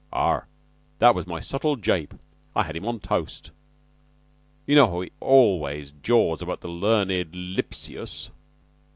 "Aha! That, was my subtle jape. I had him on toast. You know he always jaws about the learned Lipsius."